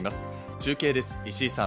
中継です、石井さん。